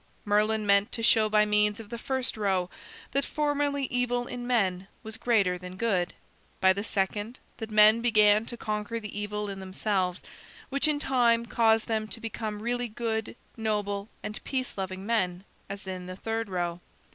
Merlin meant to show by means of the first row that formerly evil in men was greater than good; by the second that men began to conquer the evil in themselves, which in time caused them to become really good, noble, and peace loving men, as in the third row.